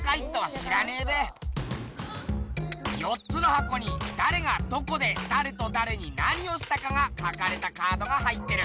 ４つのはこにだれがどこでだれとだれに何をしたかが書かれたカードが入ってる。